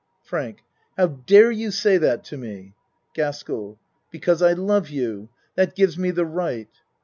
FRANK How dare you say that to me? GASKELL Because I love you. That gives me the right.